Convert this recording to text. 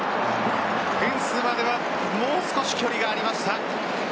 フェンスまではもう少し距離がありました。